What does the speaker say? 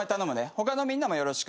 他のみんなもよろしく。